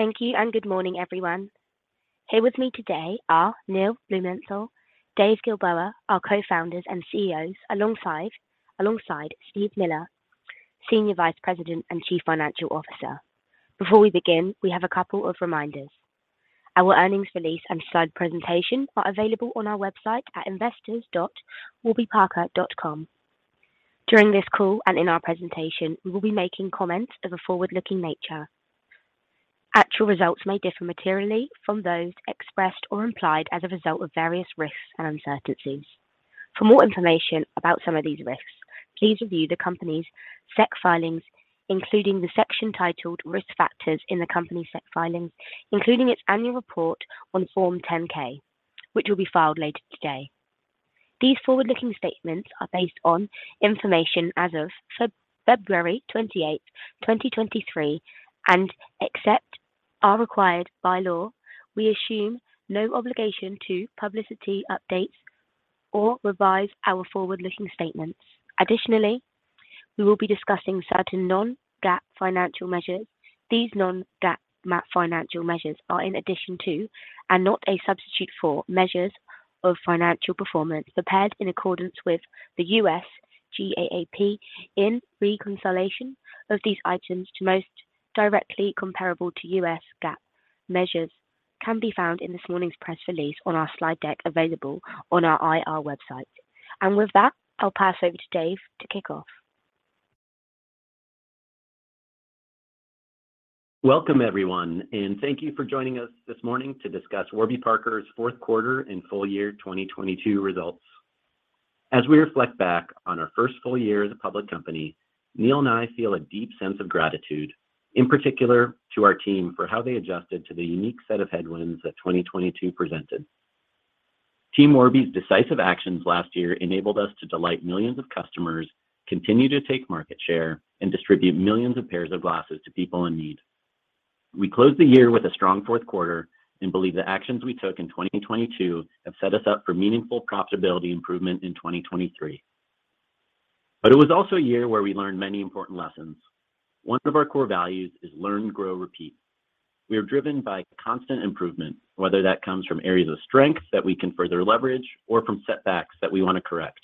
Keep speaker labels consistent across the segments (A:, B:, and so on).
A: Thank you. Good morning, everyone. Here with me today are Neil Blumenthal, Dave Gilboa, our Co-Founders and CEOs, alongside Steve Miller, Senior Vice President and Chief Financial Officer. Before we begin, we have a couple of reminders. Our earnings release and slide presentation are available on our website at investors.warbyparker.com. During this call and in our presentation, we will be making comments of a forward-looking nature. Actual results may differ materially from those expressed or implied as a result of various risks and uncertainties. For more information about some of these risks, please review the company's SEC filings, including the section titled Risk Factors in the company's SEC filings, including its annual report on Form 10-K, which will be filed later today. These forward-looking statements are based on information as of February 28th, 2023, except are required by law, we assume no obligation to publicity updates or revise our forward-looking statements. Additionally, we will be discussing certain non-GAAP financial measures. These non-GAAP financial measures are in addition to, and not a substitute for, measures of financial performance prepared in accordance with the U.S. GAAP in reconciliation of these items to most directly comparable to U.S. GAAP measures can be found in this morning's press release on our slide deck available on our IR website. With that, I'll pass over to Dave to kick off.
B: Welcome, everyone, thank you for joining us this morning to discuss Warby Parker's fourth quarter and full year 2022 results. As we reflect back on our first full year as a public company, Neil and I feel a deep sense of gratitude, in particular to our team for how they adjusted to the unique set of headwinds that 2022 presented. Team Warby's decisive actions last year enabled us to delight millions of customers, continue to take market share, and distribute millions of pairs of glasses to people in need. We closed the year with a strong fourth quarter and believe the actions we took in 2022 have set us up for meaningful profitability improvement in 2023. It was also a year where we learned many important lessons. One of our core values is learn, grow, repeat. We are driven by constant improvement, whether that comes from areas of strength that we can further leverage or from setbacks that we want to correct.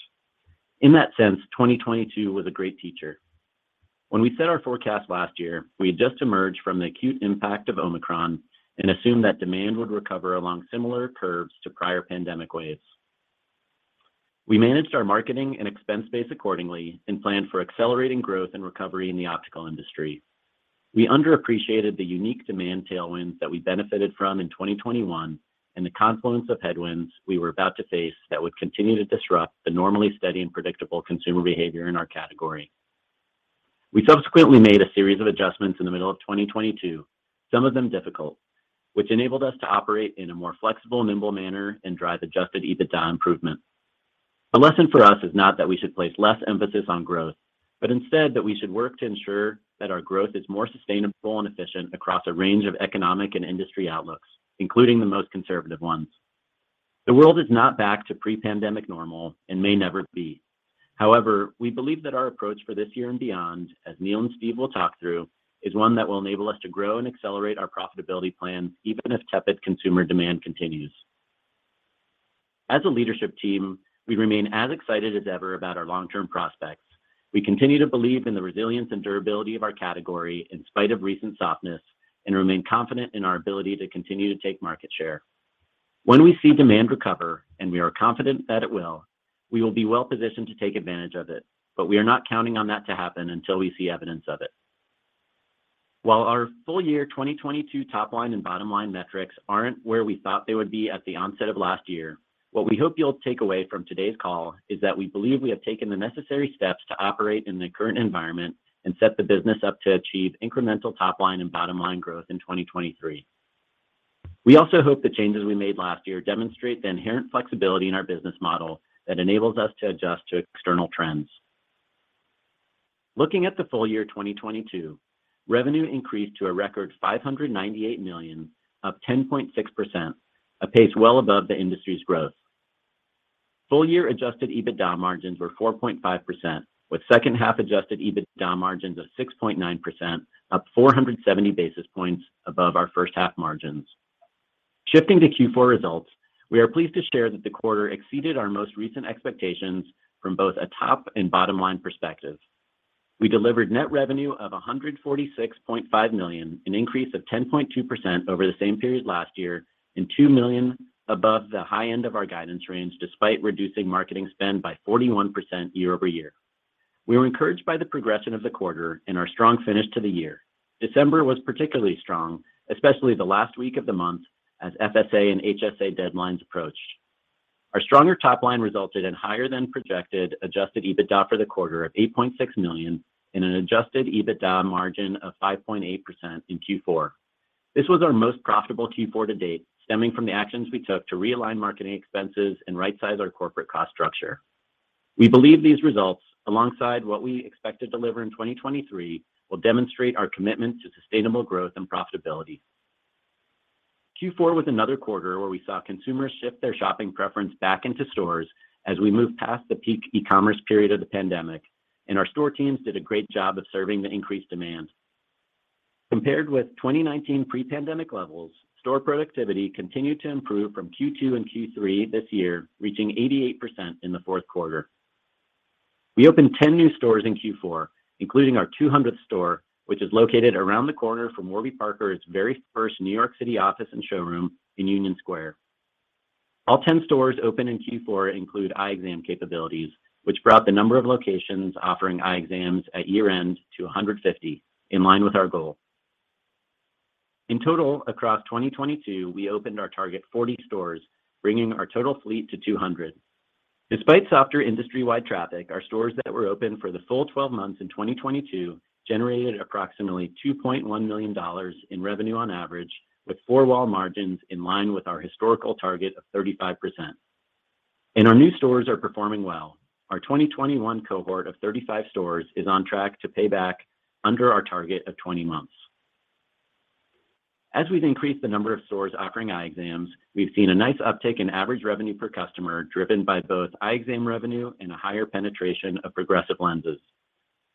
B: In that sense, 2022 was a great teacher. When we set our forecast last year, we had just emerged from the acute impact of Omicron and assumed that demand would recover along similar curves to prior pandemic waves. We managed our marketing and expense base accordingly and planned for accelerating growth and recovery in the optical industry. We underappreciated the unique demand tailwinds that we benefited from in 2021 and the confluence of headwinds we were about to face that would continue to disrupt the normally steady and predictable consumer behavior in our category. We subsequently made a series of adjustments in the middle of 2022, some of them difficult, which enabled us to operate in a more flexible, nimble manner and drive adjusted EBITDA improvement. The lesson for us is not that we should place less emphasis on growth, but instead that we should work to ensure that our growth is more sustainable and efficient across a range of economic and industry outlooks, including the most conservative ones. The world is not back to pre-pandemic normal and may never be. However, we believe that our approach for this year and beyond, as Neil and Steve will talk through, is one that will enable us to grow and accelerate our profitability plans even if tepid consumer demand continues. As a leadership team, we remain as excited as ever about our long-term prospects. We continue to believe in the resilience and durability of our category in spite of recent softness and remain confident in our ability to continue to take market share. When we see demand recover, and we are confident that it will, we will be well-positioned to take advantage of it, but we are not counting on that to happen until we see evidence of it. While our full year 2022 top line and bottom line metrics aren't where we thought they would be at the onset of last year, what we hope you'll take away from today's call is that we believe we have taken the necessary steps to operate in the current environment and set the business up to achieve incremental top line and bottom line growth in 2023. We also hope the changes we made last year demonstrate the inherent flexibility in our business model that enables us to adjust to external trends. Looking at the full year 2022, revenue increased to a record $598 million, up 10.6%, a pace well above the industry's growth. Full year adjusted EBITDA margins were 4.5%, with second half adjusted EBITDA margins of 6.9%, up 470 basis points above our first half margins. Shifting to Q4 results, we are pleased to share that the quarter exceeded our most recent expectations from both a top and bottom line perspective. We delivered net revenue of $146.5 million, an increase of 10.2% over the same period last year, and $2 million above the high end of our guidance range despite reducing marketing spend by 41% year-over-year. We were encouraged by the progression of the quarter and our strong finish to the year. December was particularly strong, especially the last week of the month as FSA and HSA deadlines approached. Our stronger top line resulted in higher than projected adjusted EBITDA for the quarter of $8.6 million and an adjusted EBITDA margin of 5.8% in Q4. This was our most profitable Q4 to date, stemming from the actions we took to realign marketing expenses and right size our corporate cost structure. We believe these results, alongside what we expect to deliver in 2023, will demonstrate our commitment to sustainable growth and profitability. Q4 was another quarter where we saw consumers shift their shopping preference back into stores as we moved past the peak e-commerce period of the pandemic. Our store teams did a great job of serving the increased demand. Compared with 2019 pre-pandemic levels, store productivity continued to improve from Q2 and Q3 this year, reaching 88% in the fourth quarter. We opened 10 new stores in Q4, including our 200th store, which is located around the corner from Warby Parker's very first New York City office and showroom in Union Square. All 10 stores open in Q4 include eye exam capabilities, which brought the number of locations offering eye exams at year-end to 150, in line with our goal. In total, across 2022, we opened our target 40 stores, bringing our total fleet to 200. Despite softer industry-wide traffic, our stores that were open for the full 12 months in 2022 generated approximately $2.1 million in revenue on average, with four-wall margins in line with our historical target of 35%. Our new stores are performing well. Our 2021 cohort of 35 stores is on track to pay back under our target of 20 months. As we've increased the number of stores offering eye exams, we've seen a nice uptick in average revenue per customer, driven by both Eye Exams revenue and a higher penetration of Progressive Lenses.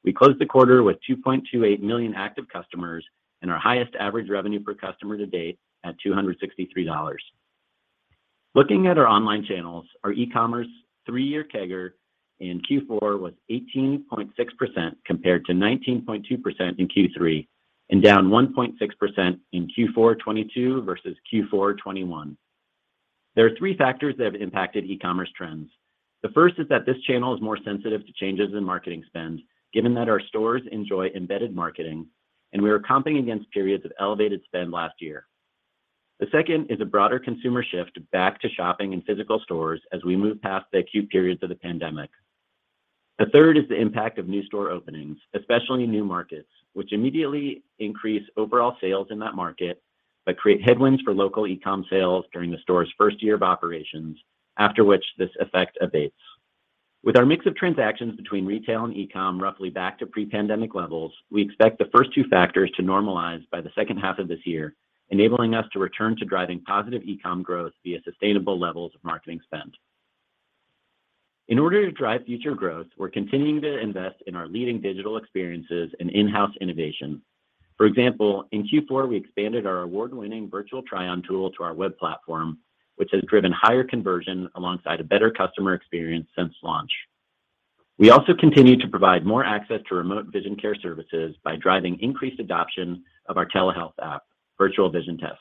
B: We closed the quarter with 2.28 million active customers and our highest average revenue per customer to date at $263. Looking at our online channels, our e-commerce three-year CAGR in Q4 was 18.6% compared to 19.2% in Q3 and down 1.6% in Q4 2022 versus Q4 2021. There are three factors that have impacted e-commerce trends. The first is that this channel is more sensitive to changes in marketing spend, given that our stores enjoy embedded marketing, and we were comping against periods of elevated spend last year. The second is a broader consumer shift back to shopping in physical stores as we move past the acute periods of the pandemic. The third is the impact of new store openings, especially in new markets, which immediately increase overall sales in that market but create headwinds for local e-com sales during the store's first year of operations, after which this effect abates. With our mix of transactions between retail and e-com roughly back to pre-pandemic levels, we expect the first two factors to normalize by the second half of this year, enabling us to return to driving positive e-com growth via sustainable levels of marketing spend. In order to drive future growth, we're continuing to invest in our leading digital experiences and in-house innovation. For example, in Q4, we expanded our award-winning virtual tryon tool to our web platform, which has driven higher conversion alongside a better customer experience since launch. We also continue to provide more access to remote vision care services by driving increased adoption of our telehealth app, Virtual Vision Test.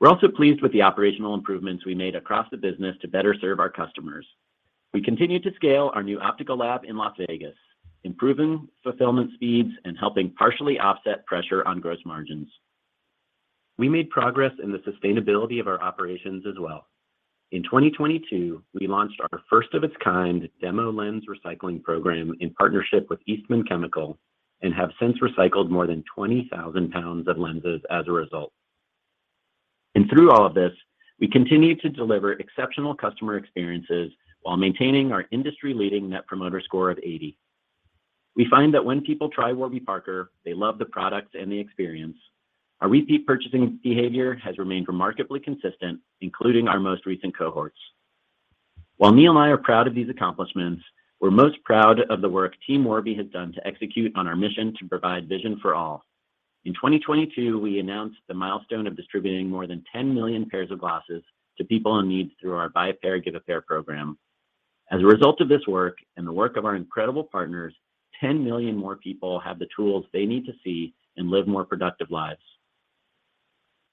B: We're also pleased with the operational improvements we made across the business to better serve our customers. We continued to scale our new optical lab in Las Vegas, improving fulfillment speeds and helping partially offset pressure on gross margins. We made progress in the sustainability of our operations as well. In 2022, we launched our first of its kind demo lens recycling program in partnership with Eastman Chemical and have since recycled more than 20,000 pounds of lenses as a result. Through all of this, we continue to deliver exceptional customer experiences while maintaining our industry-leading Net Promoter Score of 80. We find that when people try Warby Parker, they love the products and the experience. Our repeat purchasing behavior has remained remarkably consistent, including our most recent cohorts. While Neil and I are proud of these accomplishments, we're most proud of the work Team Warby has done to execute on our mission to provide vision for all. In 2022, we announced the milestone of distributing more than 10 million pairs of glasses to people in need through our Buy a Pair, Give a Pair program. As a result of this work and the work of our incredible partners, 10 million more people have the tools they need to see and live more productive lives.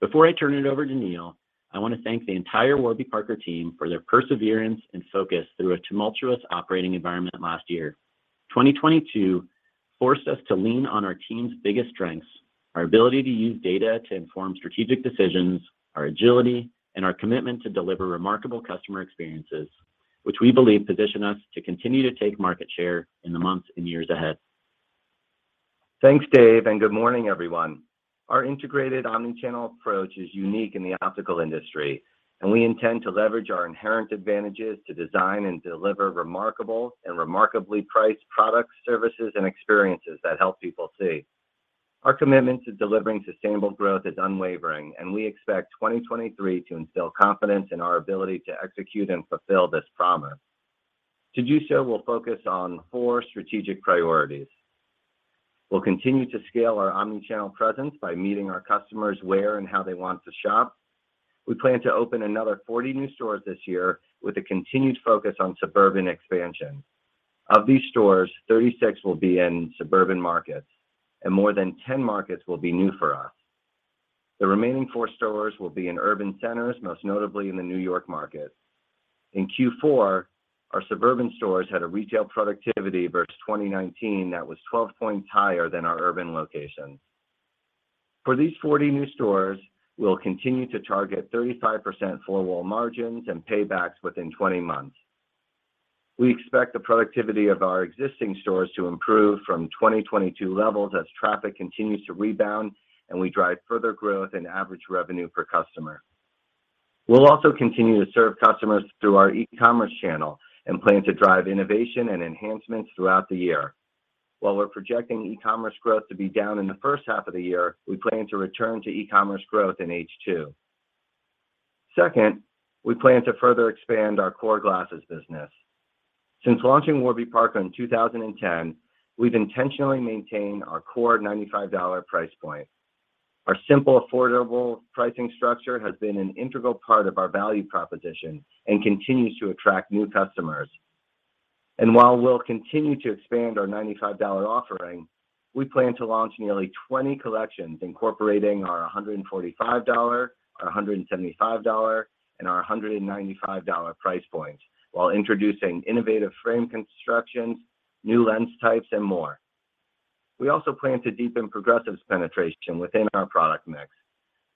B: Before I turn it over to Neil, I want to thank the entire Warby Parker team for their perseverance and focus through a tumultuous operating environment last year. 2022 forced us to lean on our team's biggest strengths, our ability to use data to inform strategic decisions, our agility, and our commitment to deliver remarkable customer experiences, which we believe position us to continue to take market share in the months and years ahead.
C: Thanks, Dave, and good morning, everyone. Our integrated omnichannel approach is unique in the optical industry. We intend to leverage our inherent advantages to design and deliver remarkable and remarkably priced products, services, and experiences that help people see. Our commitment to delivering sustainable growth is unwavering. We expect 2023 to instill confidence in our ability to execute and fulfill this promise. To do so, we'll focus on four strategic priorities. We'll continue to scale our omnichannel presence by meeting our customers where and how they want to shop. We plan to open another 40 new stores this year with a continued focus on suburban expansion. Of these stores, 36 will be in suburban markets, and more than 10 markets will be new for us. The remaining four stores will be in urban centers, most notably in the New York market. In Q4, our suburban stores had a retail productivity versus 2019 that was 12 points higher than our urban locations. For these 40 new stores, we'll continue to target 35% four-wall margins and paybacks within 20 months. We expect the productivity of our existing stores to improve from 2022 levels as traffic continues to rebound and we drive further growth in average revenue per customer. We'll also continue to serve customers through our e-commerce channel and plan to drive innovation and enhancements throughout the year. While we're projecting e-commerce growth to be down in the first half of the year, we plan to return to e-commerce growth in H2. Second, we plan to further expand our core glasses business. Since launching Warby Parker in 2010, we've intentionally maintained our core $95 price point. While we'll continue to expand our $95 offering, we plan to launch nearly 20 collections incorporating our $145, our $175, and our $195 price points while introducing innovative frame constructions, new lens types, and more. We also plan to deepen progressives penetration within our product mix,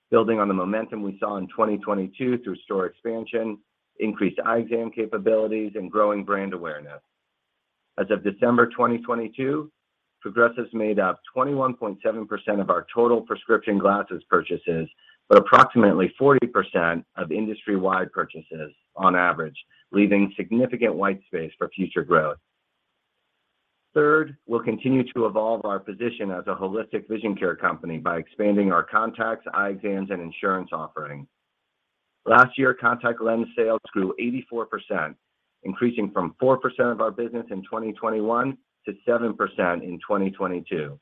C: building on the momentum we saw in 2022 through store expansion, increased Eye Exams capabilities, and growing brand awareness. As of December 2022, progressives made up 21.7% of our total prescription glasses purchases, but approximately 40% of industry-wide purchases on average, leaving significant white space for future growth. Third, we'll continue to evolve our position as a holistic vision care company by expanding our Contacts, Eye Exams, and Insurance offerings. Last year, Contact Lens sales grew 84%, increasing from 4% of our business in 2021 to 7% in 2022.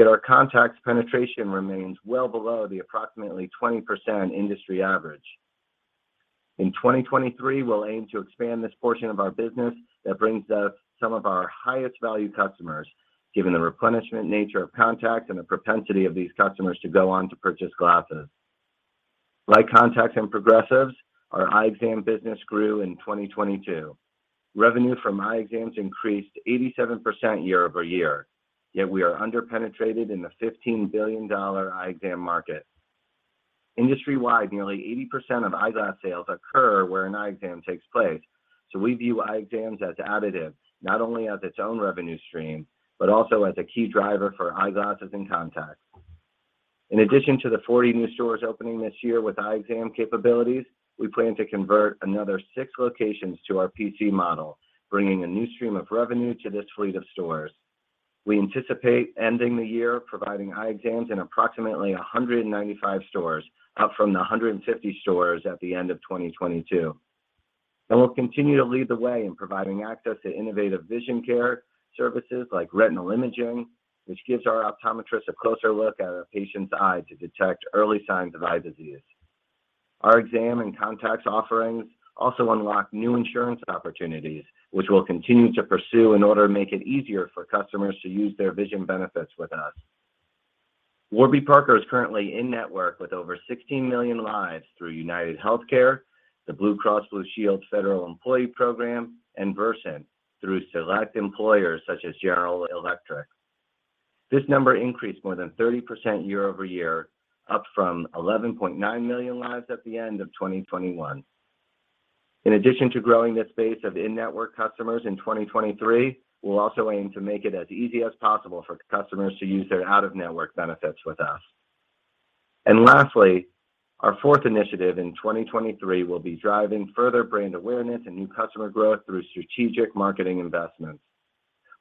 C: Our Contacts penetration remains well below the approximately 20% industry average. In 2023, we'll aim to expand this portion of our business that brings us some of our highest value customers, given the replenishment nature of contacts and the propensity of these customers to go on to purchase glasses. Like Contacts and Progressives, our Eye Exam business grew in 2022. Revenue from Eye Exams increased 87% year-over-year. We are under penetrated in the $15 billion eye exam market. Industry-wide, nearly 80% of eyeglass sales occur where an eye exam takes place. We view Eye Exams as additive, not only as its own revenue stream, but also as a key driver for Eyeglasses and Contacts. In addition to the 40 new stores opening this year with eye exam capabilities, we plan to convert another six locations to P.C. model, bringing a new stream of revenue to this fleet of stores. We anticipate ending the year providing eye exams in approximately 195 stores, up from the 150 stores at the end of 2022. We'll continue to lead the way in providing access to innovative vision care services like retinal imaging, which gives our optometrists a closer look at a patient's eye to detect early signs of eye disease. Our Exam and Contacts offerings also unlock new Insurance opportunities, which we'll continue to pursue in order to make it easier for customers to use their vision benefits with us. Warby Parker is currently in network with over 16 million lives through UnitedHealthcare, the Blue Cross Blue Shield Federal Employee Program, and Versant through select employers such as General Electric. This number increased more than 30% year-over-year, up from 11.9 million lives at the end of 2021. In addition to growing this base of in-network customers in 2023, we'll also aim to make it as easy as possible for customers to use their out-of-network benefits with us. Lastly, our fourth initiative in 2023 will be driving further brand awareness and new customer growth through strategic marketing investments.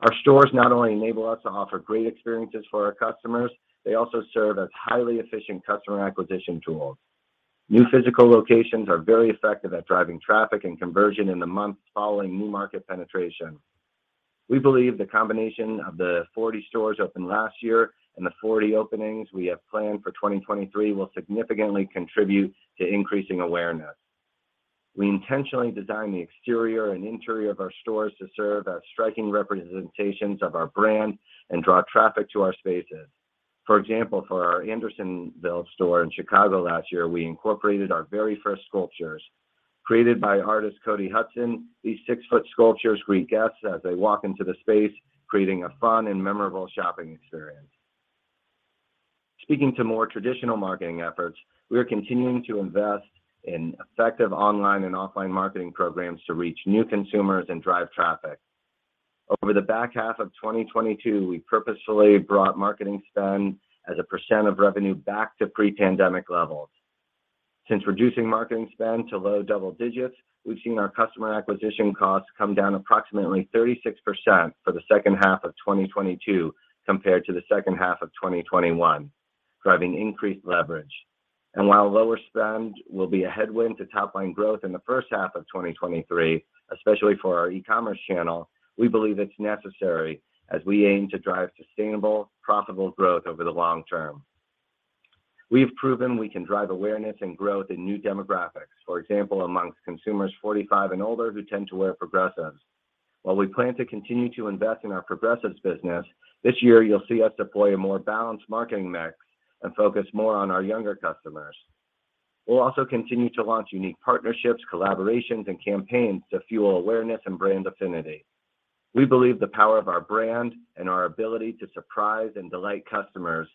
C: Our stores not only enable us to offer great experiences for our customers, they also serve as highly efficient customer acquisition tools. New physical locations are very effective at driving traffic and conversion in the months following new market penetration. We believe the combination of the 40 stores opened last year and the 40 openings we have planned for 2023 will significantly contribute to increasing awareness. We intentionally design the exterior and interior of our stores to serve as striking representations of our brand and draw traffic to our spaces. For example, for our Andersonville store in Chicago last year, we incorporated our very first sculptures. Created by artist Cody Hudson, these 6-foot sculptures greet guests as they walk into the space, creating a fun and memorable shopping experience. Speaking to more traditional marketing efforts, we are continuing to invest in effective online and offline marketing programs to reach new consumers and drive traffic. Over the back half of 2022, we purposefully brought marketing spend as a percent of revenue back to pre-pandemic levels. Since reducing marketing spend to low double digits, we've seen our customer acquisition costs come down approximately 36% for the second half of 2022 compared to the second half of 2021, driving increased leverage. While lower spend will be a headwind to top line growth in the first half of 2023, especially for our e-commerce channel, we believe it's necessary as we aim to drive sustainable, profitable growth over the long term. We have proven we can drive awareness and growth in new demographics, for example, amongst consumers 45 and older who tend to wear Progressives. While we plan to continue to invest in our Progressives business, this year you'll see us deploy a more balanced marketing mix and focus more on our younger customers. We'll also continue to launch unique partnerships, collaborations, and campaigns to fuel awareness and brand affinity. We believe the power of our brand and our ability to surprise and delight customers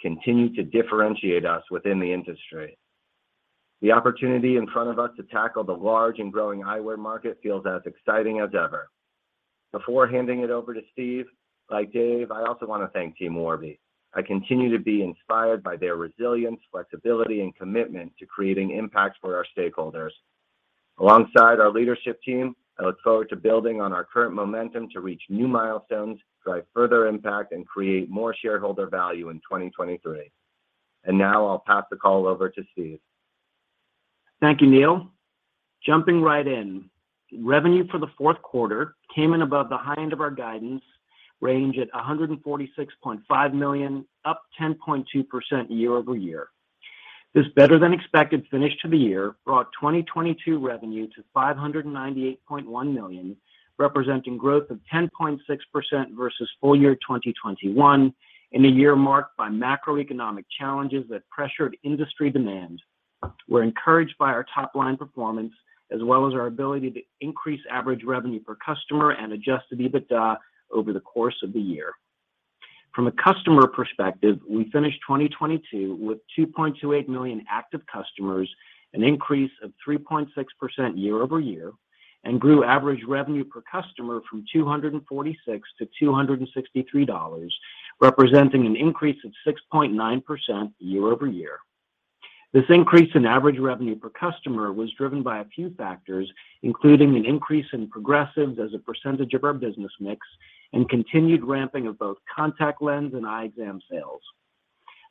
C: continue to differentiate us within the industry. The opportunity in front of us to tackle the large and growing eyewear market feels as exciting as ever. Before handing it over to Steve, like Dave, I also want to thank Team Warby. I continue to be inspired by their resilience, flexibility, and commitment to creating impact for our stakeholders. Alongside our leadership team, I look forward to building on our current momentum to reach new milestones, drive further impact, and create more shareholder value in 2023. Now I'll pass the call over to Steve.
D: Thank you, Neil. Jumping right in, revenue for the fourth quarter came in above the high end of our guidance range at $146.5 million, up 10.2% year-over-year. This better than expected finish to the year brought 2022 revenue to $598.1 million, representing growth of 10.6% versus full year 2021 in a year marked by macroeconomic challenges that pressured industry demand. We're encouraged by our top line performance as well as our ability to increase average revenue per customer and adjust to EBITDA over the course of the year. From a customer perspective, we finished 2022 with 2.28 million active customers, an increase of 3.6% year-over-year, and grew average revenue per customer from $246 to $263, representing an increase of 6.9% year-over-year. This increase in average revenue per customer was driven by a few factors, including an increase in progressives as a percentage of our business mix and continued ramping of both contact lens and eye exam sales.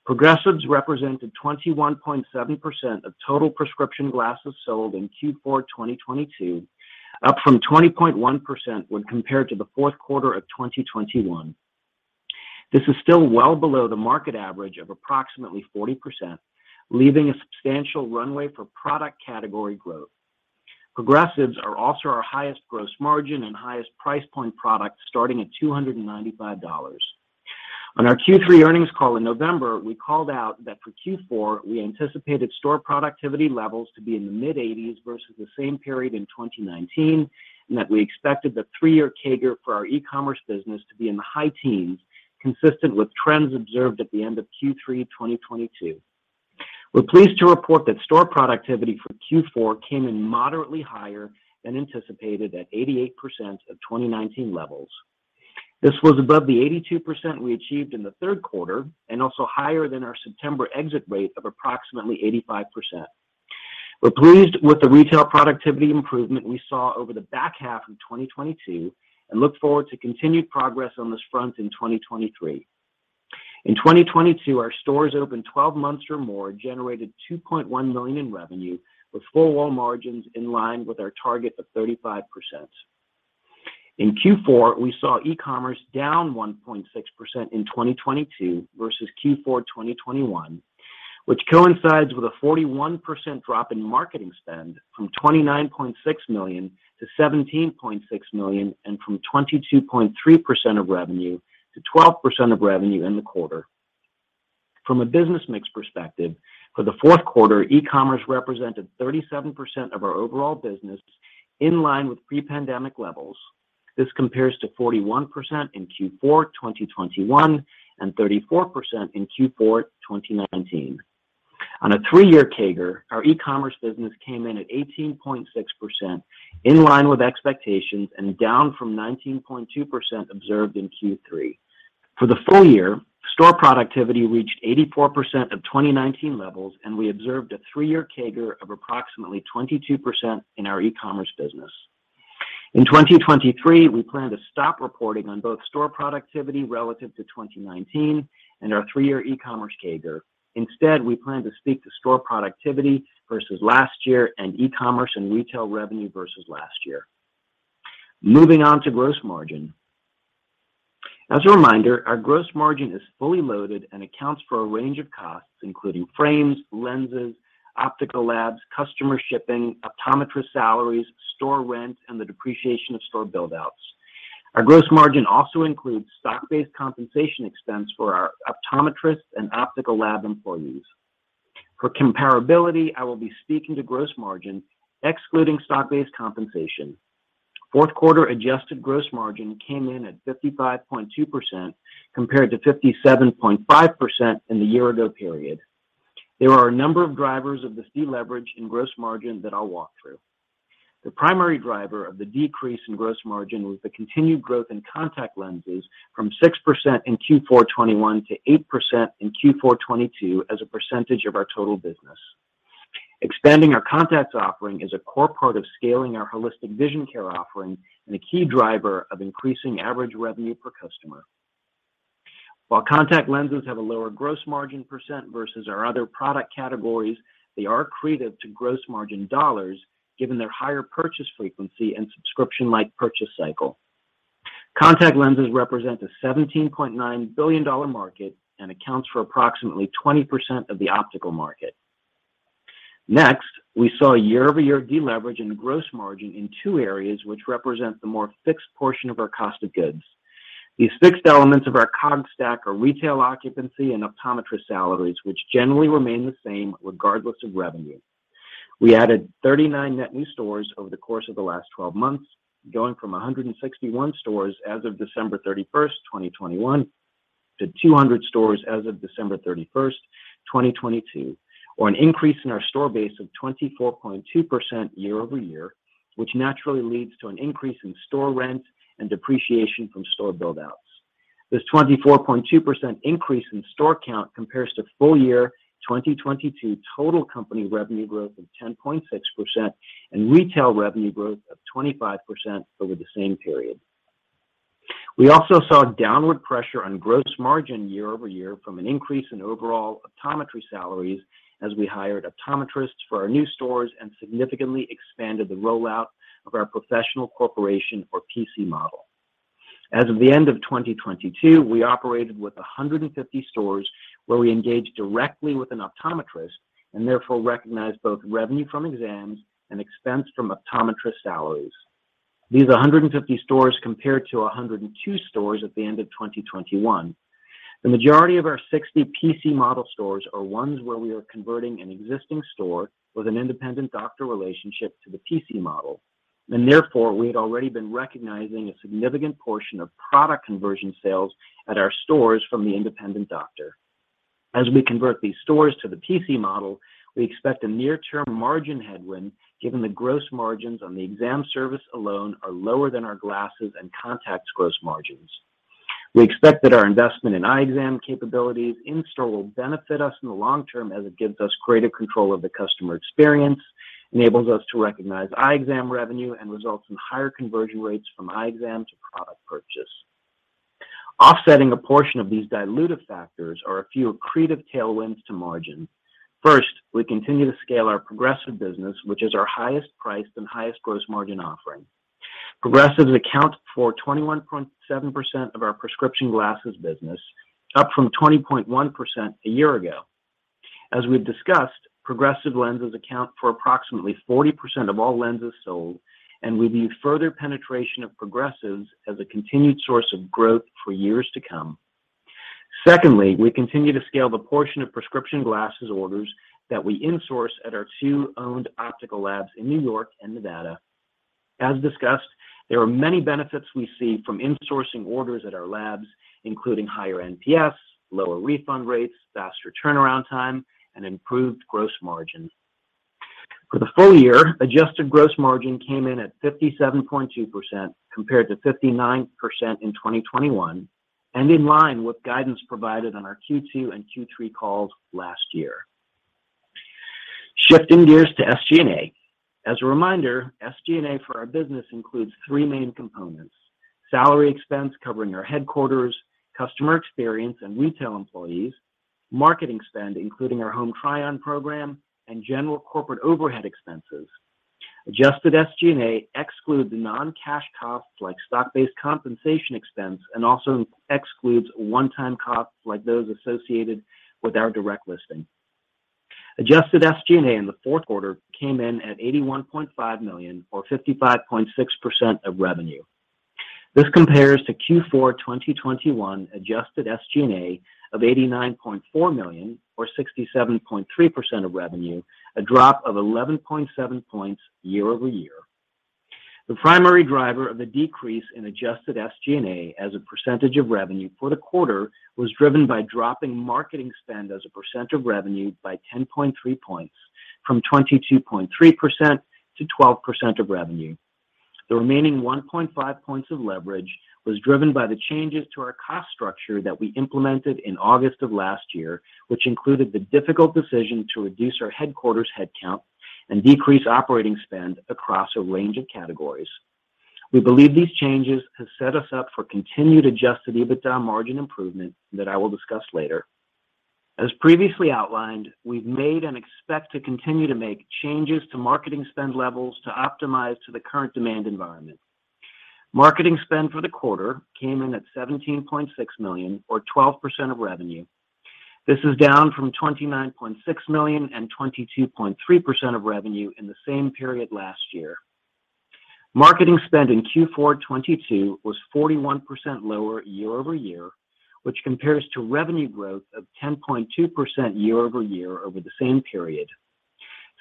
D: Progressives represented 21.7% of total Prescription Glasses sold in Q4 2022, up from 20.1% when compared to the fourth quarter of 2021. This is still well below the market average of approximately 40%, leaving a substantial runway for product category growth. Progressives are also our highest gross margin and highest price point product, starting at $295. On our Q3 earnings call in November, we called out that for Q4 we anticipated store productivity levels to be in the mid-80s versus the same period in 2019. We expected the three year CAGR for our e-commerce business to be in the high teens, consistent with trends observed at the end of Q3 2022. We're pleased to report that store productivity for Q4 came in moderately higher than anticipated at 88% of 2019 levels. This was above the 82% we achieved in the third quarter and also higher than our September exit rate of approximately 85%. We're pleased with the retail productivity improvement we saw over the back half of 2022 and look forward to continued progress on this front in 2023. In 2022, our stores open 12 months or more generated $2.1 million in revenue, with four-wall margins in line with our target of 35%. In Q4, we saw e-commerce down 1.6% in 2022 versus Q4 2021, which coincides with a 41% drop in marketing spend from $29.6 million to $17.6 million and from 22.3% of revenue to 12% of revenue in the quarter. From a business mix perspective, for the fourth quarter, e-commerce represented 37% of our overall business, in line with pre-pandemic levels. This compares to 41% in Q4 2021 and 34% in Q4 2019. On a three-year CAGR, our e-commerce business came in at 18.6%, in line with expectations and down from 19.2% observed in Q3. For the full year, store productivity reached 84% of 2019 levels, and we observed a three-year CAGR of approximately 22% in our e-commerce business. In 2023, we plan to stop reporting on both store productivity relative to 2019 and our three-year e-commerce CAGR. Instead, we plan to speak to store productivity versus last year and e-commerce and retail revenue versus last year. Moving on to gross margin. As a reminder, our gross margin is fully loaded and accounts for a range of costs, including frames, lenses, optical labs, customer shipping, optometrist salaries, store rent, and the depreciation of store build outs. Our gross margin also includes stock-based compensation expense for our optometrists and optical lab employees. For comparability, I will be speaking to gross margin excluding stock-based compensation. Fourth quarter adjusted gross margin came in at 55.2% compared to 57.5% in the year ago period. There are a number of drivers of this deleverage in gross margin that I'll walk through. The primary driver of the decrease in gross margin was the continued growth in contact lenses from 6% in Q4 2021 to 8% in Q4 2022 as a percentage of our total business. Expanding our Contacts offering is a core part of scaling our holistic vision care offering and a key driver of increasing average revenue per customer. While Contact Lenses have a lower gross margin percent versus our other product categories, they are accretive to gross margin dollars given their higher purchase frequency and subscription like purchase cycle. Contact Lenses represent a $17.9 billion market and accounts for approximately 20% of the optical market. We saw year-over-year deleverage in gross margin in two areas which represent the more fixed portion of our cost of goods. These fixed elements of our COGS stack are retail occupancy and optometrist salaries, which generally remain the same regardless of revenue. We added 39 net new stores over the course of the last 12 months, going from 161 stores as of December 31st, 2021 to 200 stores as of December 31st, 2022 or an increase in our store base of 24.2% year-over-year, which naturally leads to an increase in store rent and depreciation from store build outs. This 24.2% increase in store count compares to full year 2022 total company revenue growth of 10.6% and retail revenue growth of 25% over the same period. We also saw downward pressure on gross margin year-over-year from an increase in overall optometry salaries as we hired optometrists for our new stores and significantly expanded the rollout of our Professional Corporation P.C. model. As of the end of 2022, we operated with 150 stores where we engage directly with an optometrist and therefore recognize both revenue from exams and expense from optometrist salaries. These 150 stores compared to 102 stores at the end of 2021. The majority of our P.C. model stores are ones where we are converting an existing store with an independent doctor relationship to P.C. model, therefore we had already been recognizing a significant portion of product conversion sales at our stores from the independent doctor. As we convert these stores to P.C. model, we expect a near term margin headwind given the gross margins on the exam service alone are lower than our Glasses and Contacts gross margins. We expect that our investment in eye exam capabilities in-store will benefit us in the long term as it gives us greater control of the customer experience, enables us to recognize Eye Exam revenue and results in higher conversion rates from eye exam to product purchase. Offsetting a portion of these dilutive factors are a few accretive tailwinds to margin. First, we continue to scale our Progressive business, which is our highest priced and highest gross margin offering. Progressives account for 21.7% of our Prescription Glasses business, up from 20.1% a year ago. As we've discussed, Progressive Lenses account for approximately 40% of all lenses sold. We view further penetration of Progressives as a continued source of growth for years to come. Secondly, we continue to scale the portion of Prescription Glasses orders that we insource at our two owned optical labs in New York and Nevada. As discussed, there are many benefits we see from insourcing orders at our labs, including higher NPS, lower refund rates, faster turnaround time, and improved gross margin. For the full year, adjusted gross margin came in at 57.2% compared to 59% in 2021 and in line with guidance provided on our Q2 and Q3 calls last year. Shifting gears to SG&A. As a reminder, SG&A for our business includes three main components: salary expense covering our headquarters, customer experience, and retail employees, marketing spend, including our Home Try-On program, and general corporate overhead expenses. Adjusted SG&A excludes non-cash costs like stock-based compensation expense and also excludes one-time costs like those associated with our direct listing. Adjusted SG&A in the fourth quarter came in at $81.5 million or 55.6% of revenue. This compares to Q4 2021 adjusted SG&A of $89.4 million or 67.3% of revenue, a drop of 11.7 points year-over-year. The primary driver of the decrease in adjusted SG&A as a percentage of revenue for the quarter was driven by dropping marketing spend as a percent of revenue by 10.3 points from 22.3% to 12% of revenue. The remaining 1.5 points of leverage was driven by the changes to our cost structure that we implemented in August of last year, which included the difficult decision to reduce our headquarters headcount and decrease operating spend across a range of categories. We believe these changes have set us up for continued adjusted EBITDA margin improvement that I will discuss later. As previously outlined, we've made and expect to continue to make changes to marketing spend levels to optimize to the current demand environment. Marketing spend for the quarter came in at $17.6 million or 12% of revenue. This is down from $29.6 million and 22.3% of revenue in the same period last year. Marketing spend in Q4 2022 was 41% lower year-over-year, which compares to revenue growth of 10.2% year-over-year over the same period.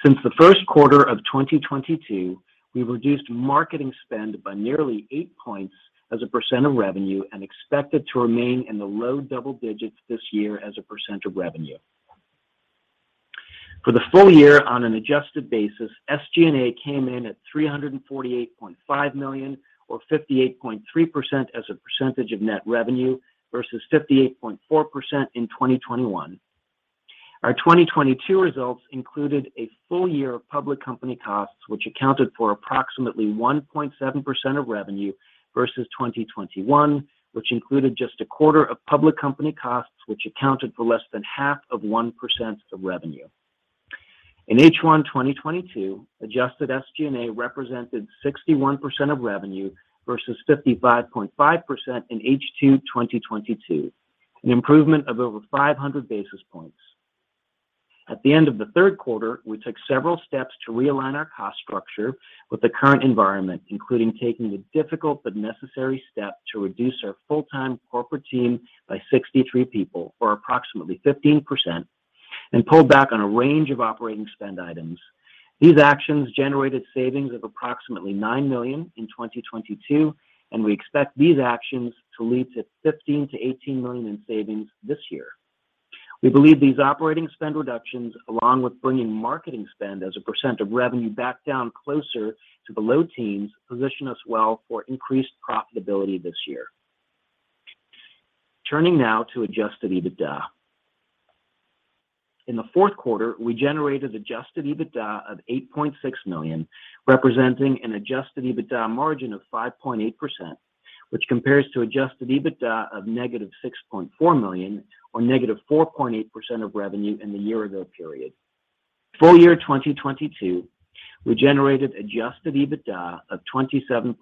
D: Since the first quarter of 2022, we reduced marketing spend by nearly eight points as a percent of revenue and expect it to remain in the low double digits this year as a percent of revenue. For the full year on an adjusted basis, SG&A came in at $348.5 million or 58.3% as a percentage of net revenue versus 58.4% in 2021. Our 2022 results included a full year of public company costs, which accounted for approximately 1.7% of revenue versus 2021, which included just a quarter of public company costs, which accounted for less than half of 1% of revenue. In H1 2022, adjusted SG&A represented 61% of revenue versus 55.5% in H2 2022, an improvement of over 500 basis points. At the end of the third quarter, we took several steps to realign our cost structure with the current environment, including taking the difficult but necessary step to reduce our full-time corporate team by 63 people, or approximately 15%. Pulled back on a range of operating spend items. These actions generated savings of approximately $9 million in 2022. We expect these actions to lead to $15 million-$18 million in savings this year. We believe these operating spend reductions, along with bringing marketing spend as a percent of revenue back down closer to the low teens, position us well for increased profitability this year. Turning now to adjusted EBITDA. In the fourth quarter, we generated adjusted EBITDA of $8.6 million, representing an adjusted EBITDA margin of 5.8%, which compares to adjusted EBITDA of -$6.4 million or -4.8% of revenue in the year ago period. Full year 2022, we generated adjusted EBITDA of $27.2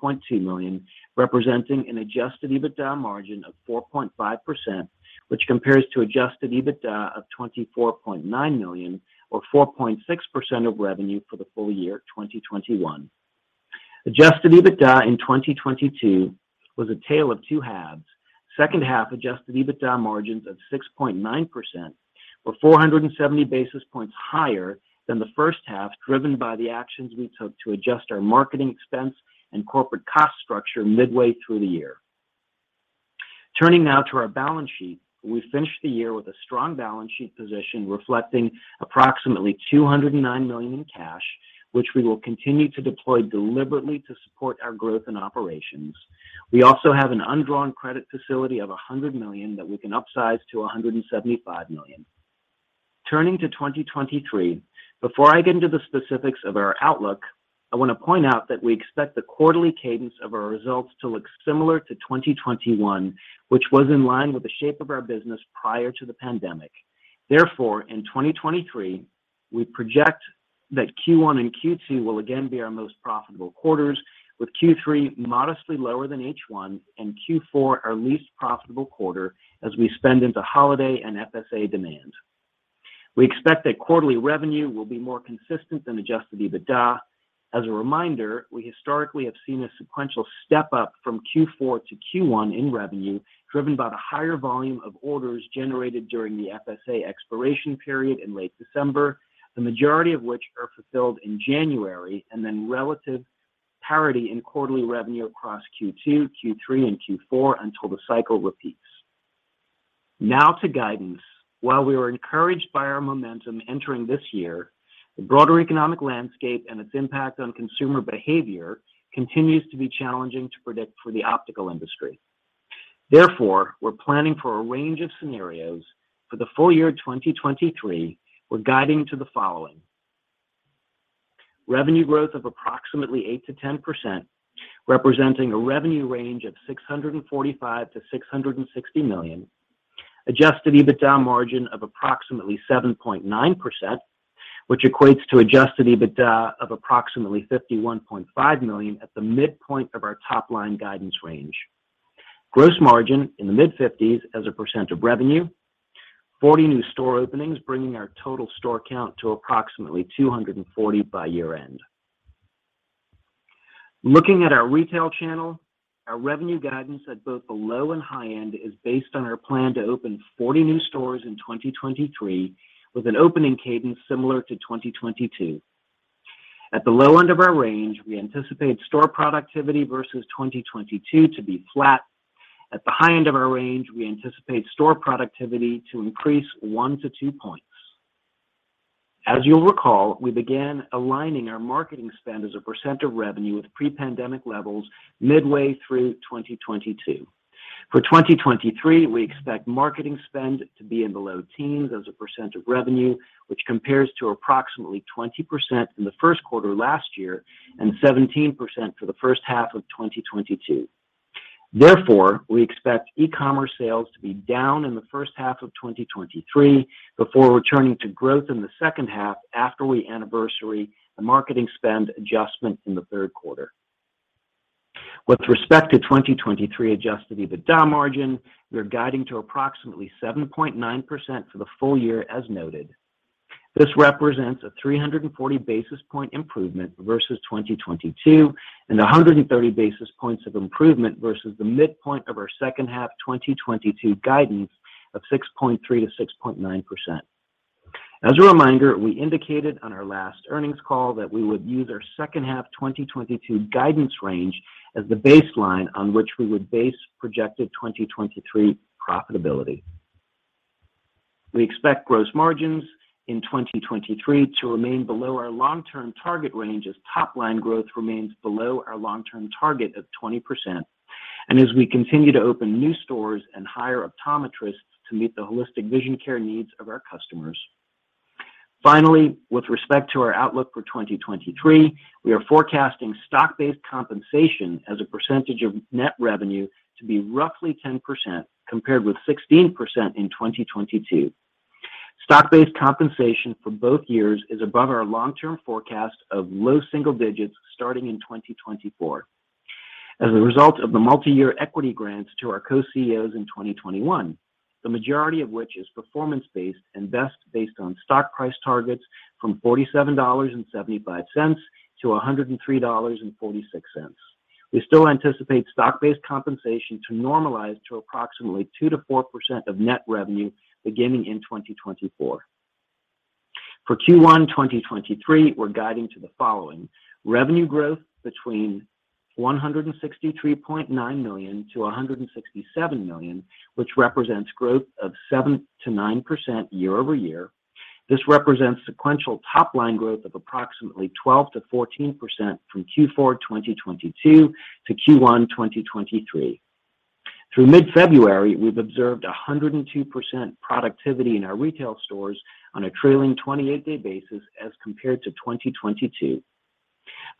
D: million, representing an adjusted EBITDA margin of 4.5%, which compares to adjusted EBITDA of $24.9 million or 4.6% of revenue for the full year 2021. Adjusted EBITDA in 2022 was a tale of two halves. Second half adjusted EBITDA margins of 6.9% were 470 basis points higher than the first half, driven by the actions we took to adjust our marketing expense and corporate cost structure midway through the year. Turning now to our balance sheet. We finished the year with a strong balance sheet position, reflecting approximately $209 million in cash, which we will continue to deploy deliberately to support our growth and operations. We also have an undrawn credit facility of $100 million that we can upsize to $175 million. Turning to 2023. Before I get into the specifics of our outlook, I want to point out that we expect the quarterly cadence of our results to look similar to 2021, which was in line with the shape of our business prior to the pandemic. Therefore, in 2023, we project that Q1 and Q2 will again be our most profitable quarters, with Q3 modestly lower than H1 and Q4 our least profitable quarter as we spend into holiday and FSA demand. We expect that quarterly revenue will be more consistent than adjusted EBITDA. As a reminder, we historically have seen a sequential step up from Q4 to Q1 in revenue, driven by the higher volume of orders generated during the FSA expiration period in late December, the majority of which are fulfilled in January, and then relative parity in quarterly revenue across Q2, Q3, and Q4 until the cycle repeats. To guidance. While we were encouraged by our momentum entering this year, the broader economic landscape and its impact on consumer behavior continues to be challenging to predict for the optical industry. We're planning for a range of scenarios. For the full year 2023, we're guiding to the following. Revenue growth of approximately 8%-10%, representing a revenue range of $645 million-$660 million. Adjusted EBITDA margin of approximately 7.9%, which equates to adjusted EBITDA of approximately $51.5 million at the midpoint of our top-line guidance range. Gross margin in the mid-50s as a percent of revenue. 40 new store openings, bringing our total store count to approximately 240 by year-end. Looking at our retail channel, our revenue guidance at both the low and high end is based on our plan to open 40 new stores in 2023, with an opening cadence similar to 2022. At the low end of our range, we anticipate store productivity versus 2022 to be flat. At the high end of our range, we anticipate store productivity to increase 1-2 points. As you'll recall, we began aligning our marketing spend as a percent of revenue with pre-pandemic levels midway through 2022. For 2023, we expect marketing spend to be in the low teens as a percent of revenue, which compares to approximately 20% in the first quarter last year and 17% for the first half of 2022. We expect e-commerce sales to be down in the first half of 2023 before returning to growth in the second half after we anniversary the marketing spend adjustment in the third quarter. With respect to 2023 adjusted EBITDA margin, we're guiding to approximately 7.9% for the full year as noted. This represents a 340 basis point improvement versus 2022 and 130 basis points of improvement versus the midpoint of our second half 2022 guidance of 6.3%-6.9%. As a reminder, we indicated on our last earnings call that we would use our second half 2022 guidance range as the baseline on which we would base projected 2023 profitability. We expect gross margins in 2023 to remain below our long-term target range as top-line growth remains below our long-term target of 20% and as we continue to open new stores and hire optometrists to meet the holistic vision care needs of our customers. Finally, with respect to our outlook for 2023, we are forecasting stock-based compensation as a percentage of net revenue to be roughly 10% compared with 16% in 2022. Stock-based compensation for both years is above our long-term forecast of low single digits starting in 2024. As a result of the multi-year equity grants to our Co-CEOs in 2021, the majority of which is performance-based and vest based on stock price targets from $47.75-$103.46. We still anticipate stock based compensation to normalize to approximately 2%-4% of net revenue beginning in 2024. For Q1 2023, we're guiding to the following: revenue growth between $163.9 million-$167 million, which represents growth of 7%-9% year-over-year. This represents sequential top line growth of approximately 12%-14% from Q4 2022 to Q1 2023. Through mid-February, we've observed 102% productivity in our retail stores on a trailing 28-day basis as compared to 2022.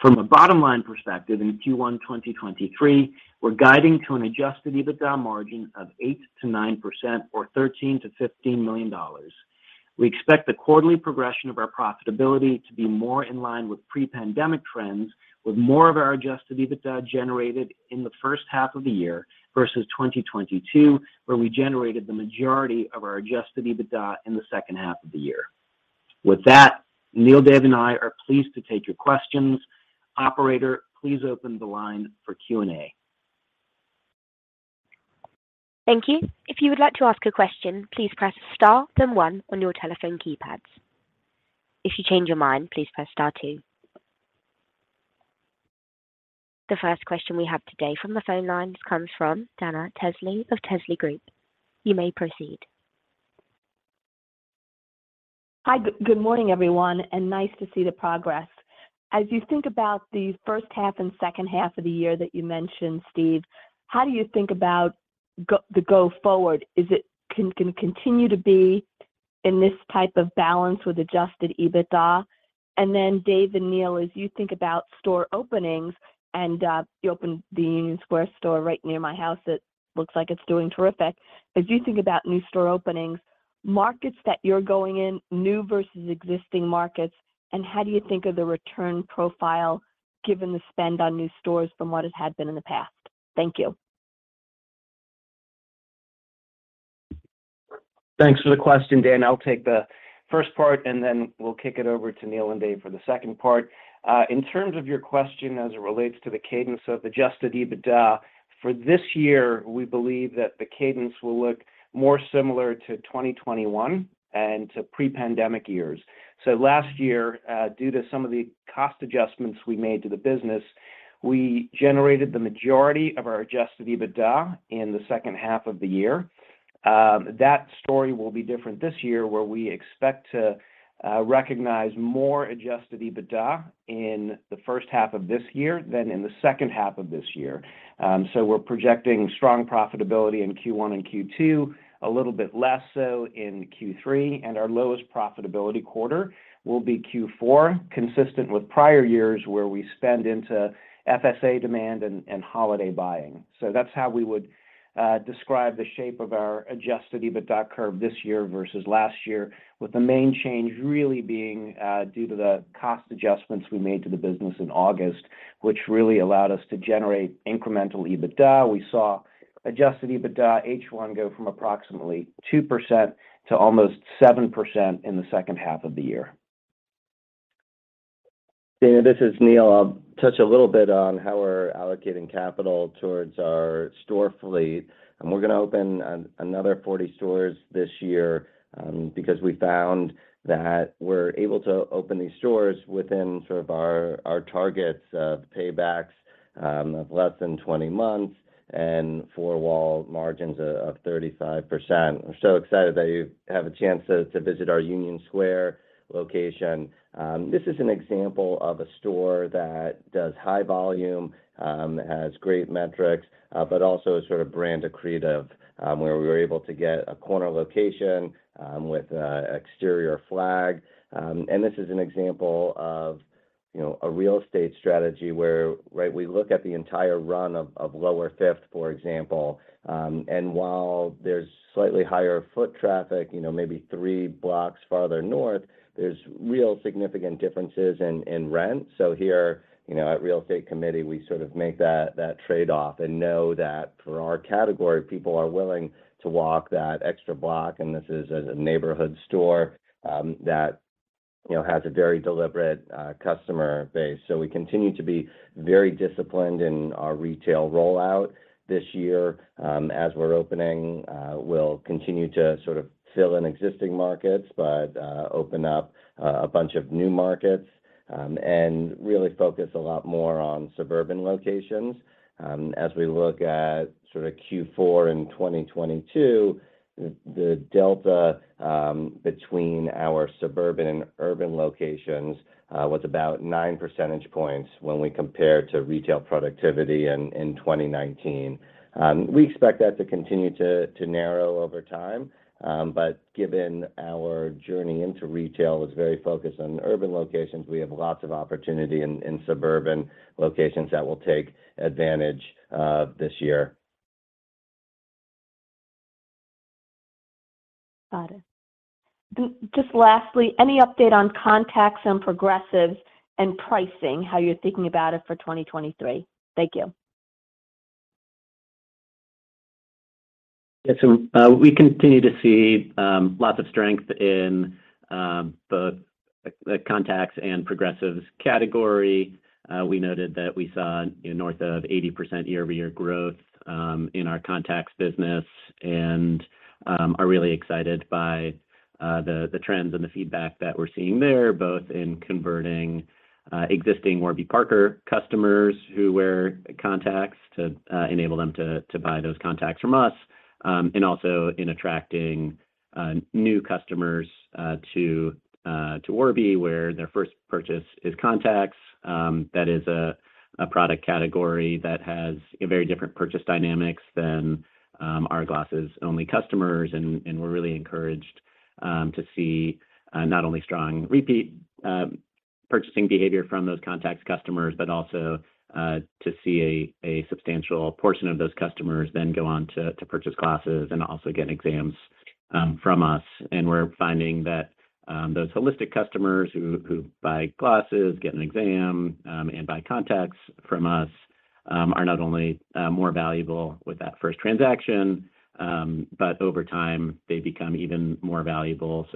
D: From a bottom line perspective, in Q1 2023, we're guiding to an adjusted EBITDA margin of 8%-9% or $13 million-$15 million. We expect the quarterly progression of our profitability to be more in line with pre-pandemic trends, with more of our adjusted EBITDA generated in the first half of the year versus 2022, where we generated the majority of our adjusted EBITDA in the second half of the year. Neil, Dave, and I are pleased to take your questions. Operator, please open the line for Q&A.
A: Thank you. If you would like to ask a question, please press star then one on your telephone keypads. If you change your mind, please press star two. The first question we have today from the phone lines comes from Dana Telsey of Telsey Group. You may proceed.
E: Hi. Good morning, everyone, and nice to see the progress. As you think about the first half and second half of the year that you mentioned, Steve, how do you think about the go forward? Is it, can it continue to be in this type of balance with adjusted EBITDA? Then Dave and Neil, as you think about store openings, and you opened the Union Square store right near my house, it looks like it's doing terrific. As you think about new store openings, markets that you're going in, new versus existing markets, and how do you think of the return profile given the spend on new stores from what it had been in the past? Thank you.
D: Thanks for the question, Dana. I'll take the first part, then we'll kick it over to Neil and Dave for the second part. In terms of your question as it relates to the cadence of adjusted EBITDA, for this year, we believe that the cadence will look more similar to 2021 and to pre-pandemic years. Last year, due to some of the cost adjustments we made to the business, we generated the majority of our adjusted EBITDA in the second half of the year. That story will be different this year, where we expect to recognize more adjusted EBITDA in the first half of this year than in the second half of this year. We're projecting strong profitability in Q1 and Q2, a little bit less so in Q3. Our lowest profitability quarter will be Q4, consistent with prior years, where we spend into FSA demand and holiday buying. That's how we would describe the shape of our adjusted EBITDA curve this year versus last year, with the main change really being due to the cost adjustments we made to the business in August, which really allowed us to generate incremental EBITDA. We saw adjusted EBITDA H1 go from approximately 2% to almost 7% in the second half of the year.
C: Dana, this is Neil. I'll touch a little bit on how we're allocating capital towards our store fleet. We're gonna open another 40 stores this year because we found that we're able to open these stores within sort of our targets of paybacks of less than 20 months and four-wall margins of 35%. We're so excited that you have a chance to visit our Union Square location. This is an example of a store that does high volume, has great metrics, but also a sort of brand accretive, where we were able to get a corner location with a exterior flag. This is an example of, you know, a real estate strategy where, right, we look at the entire run of lower Fifth, for example, and while there's slightly higher foot traffic, you know, maybe three blocks farther north, there's real significant differences in rent. Here, you know, at real estate committee, we sort of make that trade-off and know that for our category, people are willing to walk that extra block, and this is a neighborhood store, that, you know, has a very deliberate, customer base. We continue to be very disciplined in our retail rollout this year. As we're opening, we'll continue to sort of fill in existing markets, but, open up a bunch of new markets, and really focus a lot more on suburban locations. As we look at sort of Q4 in 2022, the delta between our suburban and urban locations was about 9 percentage points when we compare to retail productivity in 2019. We expect that to continue to narrow over time. Given our journey into retail was very focused on urban locations, we have lots of opportunity in suburban locations that we'll take advantage of this year.
E: Got it. Just lastly, any update on Contacts and Progressives and pricing, how you're thinking about it for 2023? Thank you.
B: We continue to see lots of strength in both the Contacts and Progressives category. We noted that we saw north of 80% year-over-year growth in our contacts business and are really excited by the trends and the feedback that we're seeing there, both in converting existing Warby Parker customers who wear contacts to enable them to buy those contacts from us and also in attracting new customers to Warby, where their first purchase is contacts. That is a product category that has very different purchase dynamics than our glasses-only customers. We're really encouraged to see not only strong repeat purchasing behavior from those contacts customers, but also to see a substantial portion of those customers then go on to purchase glasses and also get exams from us. We're finding that those holistic customers who buy glasses, get an exam, and buy contacts from us are not only more valuable with that first transaction, but over time they become even more valuable.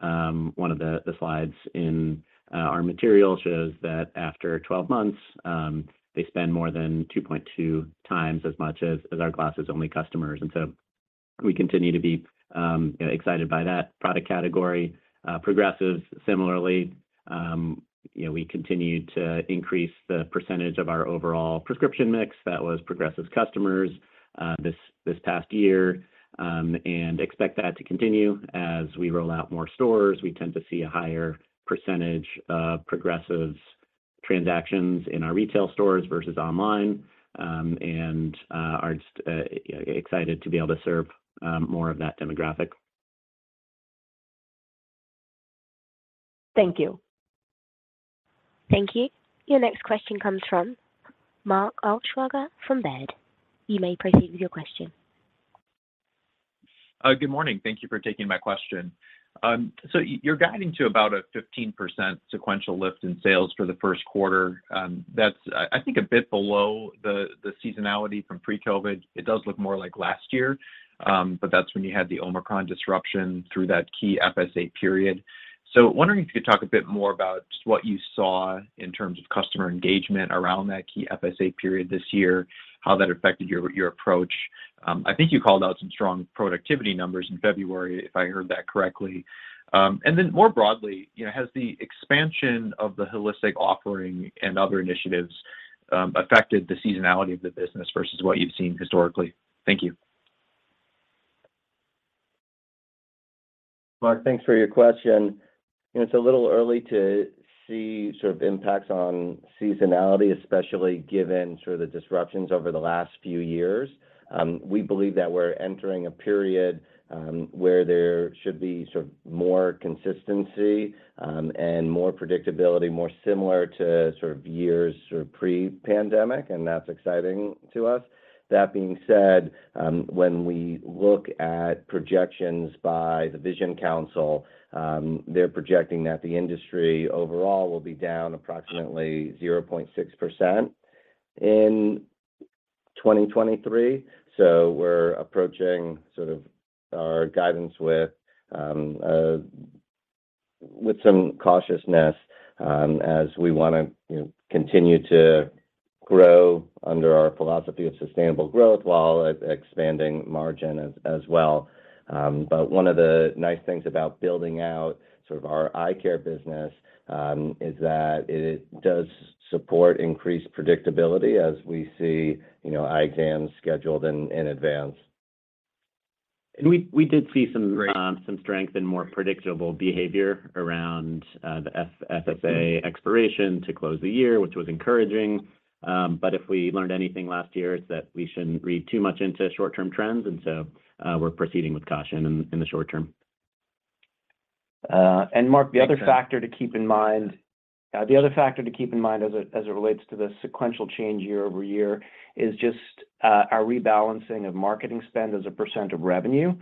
B: One of the slides in our material shows that after 12 months, they spend more than 2.2x as much as our glasses-only customers. We continue to be excited by that product category. Progressives similarly, you know, we continue to increase the percentage of our overall prescription mix that was progressive customers this past year. Expect that to continue. As we roll out more stores, we tend to see a higher percentage of progressives transactions in our retail stores versus online, and are just excited to be able to serve more of that demographic. Thank you.
A: Thank you. Your next question comes from Mark Altschwager from Baird. You may proceed with your question.
F: Good morning. Thank you for taking my question. You're guiding to about a 15% sequential lift in sales for the first quarter. That's, I think a bit below the seasonality from pre-COVID. It does look more like last year, but that's when you had the Omicron disruption through that key FSA period. Wondering if you could talk a bit more about what you saw in terms of customer engagement around that key FSA period this year, how that affected your approach. I think you called out some strong productivity numbers in February, if I heard that correctly. Then more broadly, you know, has the expansion of the holistic offering and other initiatives affected the seasonality of the business versus what you've seen historically? Thank you.
B: Mark, thanks for your question. You know, it's a little early to see sort of impacts on seasonality, especially given sort of the disruptions over the last few years. We believe that we're entering a period where there should be sort of more consistency and more predictability, more similar to sort of years sort of pre-pandemic, and that's exciting to us. That being said, when we look at projections by The Vision Council, they're projecting that the industry overall will be down approximately 0.6% in 2023. We're approaching sort of our guidance with some cautiousness as we want to, you know, continue to grow under our philosophy of sustainable growth while expanding margin as well. One of the nice things about building out sort of our eye care business, is that it does support increased predictability as we see, you know, exams scheduled in advance. We did see.
F: Great....
B: some strength and more predictable behavior around the FSA expiration to close the year, which was encouraging. If we learned anything last year, it's that we shouldn't read too much into short-term trends, we're proceeding with caution in the short term.
C: Mark, the other factor to keep in mind as it relates to the sequential change year-over-year is just our rebalancing of marketing spend as a percent of revenue.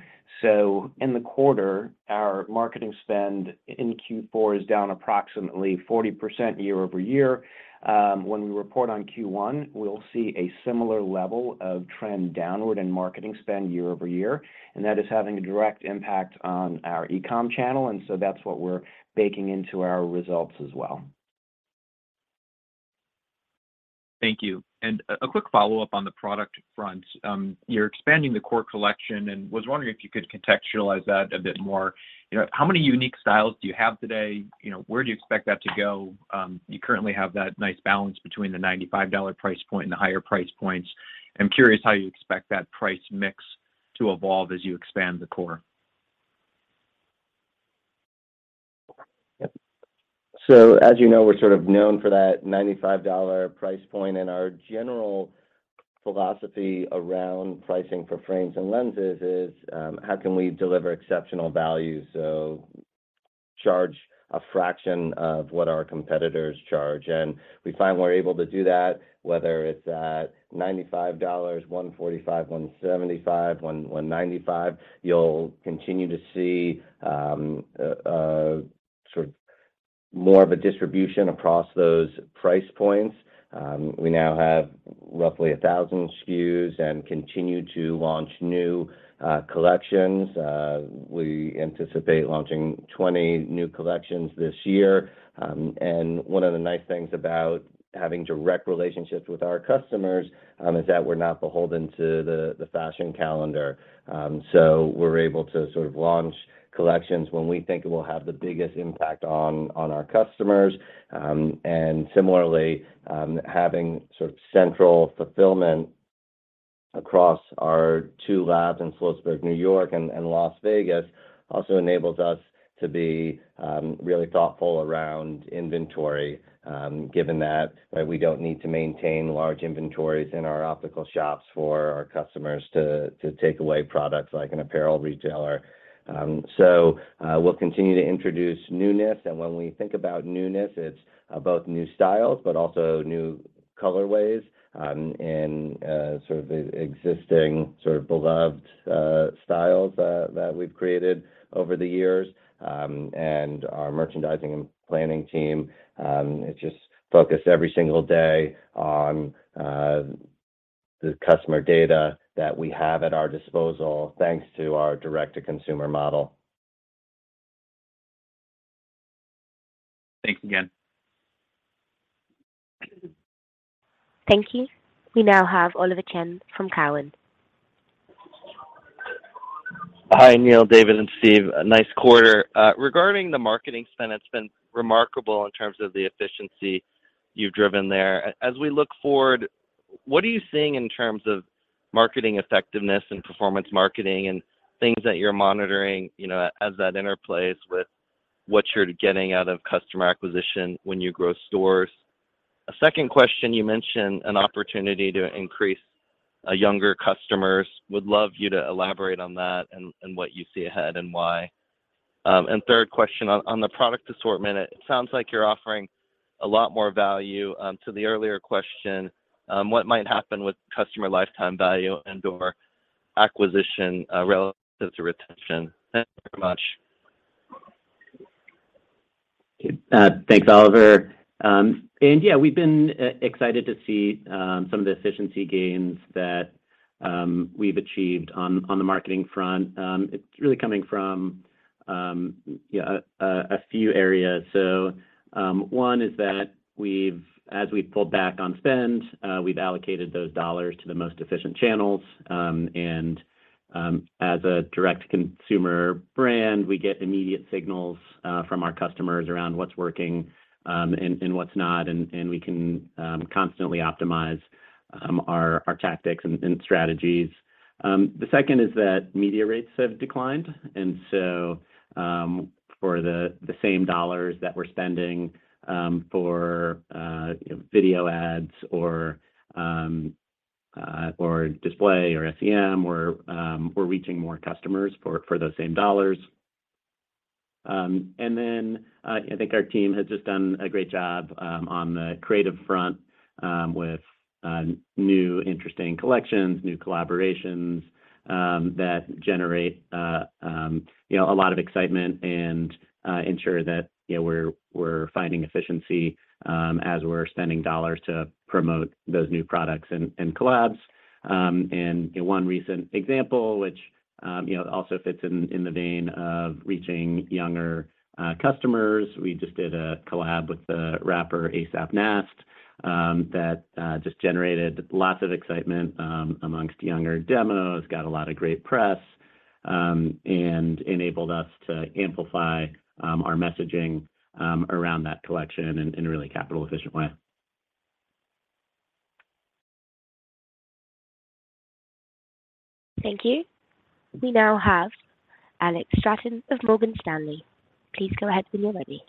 C: In the quarter, our marketing spend in Q4 is down approximately 40% year-over-year. When we report on Q1, we'll see a similar level of trend downward in marketing spend year-over-year, and that is having a direct impact on our e-com channel, and so that's what we're baking into our results as well.
F: Thank you. A quick follow-up on the product front. You're expanding the core collection, and was wondering if you could contextualize that a bit more. You know, how many unique styles do you have today? You know, where do you expect that to go? You currently have that nice balance between the $95 price point and the higher price points. I'm curious how you expect that price mix to evolve as you expand the core.
C: Yep. As you know, we're sort of known for that $95 price point, and our general philosophy around pricing for frames and lenses is, how can we deliver exceptional value, so charge a fraction of what our competitors charge? We find we're able to do that, whether it's at $95, $145, $175, $195. You'll continue to see, sort of. More of a distribution across those price points. We now have roughly 1,000 SKUs and continue to launch new collections. We anticipate launching 20 new collections this year. One of the nice things about having direct relationships with our customers is that we're not beholden to the fashion calendar. We're able to sort of launch collections when we think it will have the biggest impact on our customers. Similarly, having sort of central fulfillment across our two labs in Sloatsburg, New York and Las Vegas also enables us to be really thoughtful around inventory given that we don't need to maintain large inventories in our optical shops for our customers to take away products like an apparel retailer. We'll continue to introduce newness, and when we think about newness, it's about new styles, but also new colorways, and sort of existing sort of beloved styles that we've created over the years. Our merchandising and planning team is just focused every single day on the customer data that we have at our disposal, thanks to our direct-to-consumer model.
F: Thanks again.
A: Thank you. We now have Oliver Chen from Cowen.
G: Hi, Neil, David, and Steve. Nice quarter. Regarding the marketing spend, it's been remarkable in terms of the efficiency you've driven there. As we look forward, what are you seeing in terms of marketing effectiveness and performance marketing and things that you're monitoring, you know, as that interplays with what you're getting out of customer acquisition when you grow stores? A second question, you mentioned an opportunity to increase younger customers, would love you to elaborate on that and what you see ahead and why. Third question, on the product assortment, it sounds like you're offering a lot more value to the earlier question, what might happen with customer lifetime value and/or acquisition relative to retention? Thanks very much.
B: Thanks, Oliver. Yeah, we've been excited to see some of the efficiency gains that we've achieved on the marketing front. It's really coming from a few areas. One is that as we pulled back on spend, we've allocated those dollars to the most efficient channels. As a direct-to-consumer brand, we get immediate signals from our customers around what's working and what's not, and we can constantly optimize our tactics and strategies. The second is that media rates have declined, and so for the same dollrs that we're spending for video ads or display or SEM, we're reaching more customers for those same dollars. Then, I think our team has just done a great job on the creative front with new interesting collections, new collaborations that generate, you know, a lot of excitement and ensure that, you know, we're finding efficiency as we're spending dollars to promote those new products and collabs. One recent example, which, you know, also fits in the vein of reaching younger customers, we just did a collab with the rapper A$AP Nast, that just generated lots of excitement amongst younger demos, got a lot of great press and enabled us to amplify our messaging around that collection in a really capital efficient way.
A: Thank you. We now have Alex Straton of Morgan Stanley. Please go ahead when you're ready.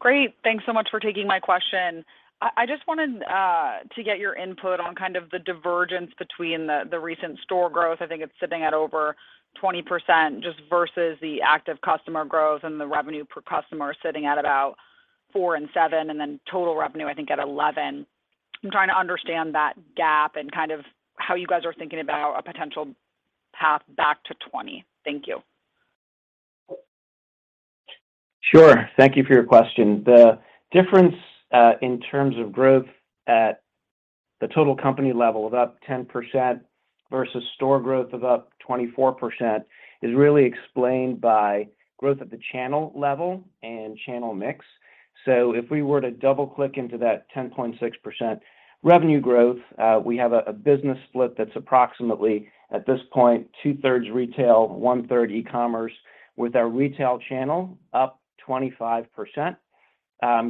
H: Great. Thanks so much for taking my question. I just wanted to get your input on kind of the divergence between the recent store growth, I think it's sitting at over 20%, just versus the active customer growth and the revenue per customer sitting at about 4% and 7%, and then total revenue, I think at 11%. I'm trying to understand that gap and kind of how you guys are thinking about a potential path back to 20%. Thank you.
C: Sure. Thank you for your question. The difference, in terms of growth at the total company level of up 10% versus store growth of up 24% is really explained by growth at the channel level and channel mix. If we were to double-click into that 10.6% revenue growth, we have a business split that's approximately, at this point, 2/3s retail, 1/3s e-commerce, with our retail channel up 25%,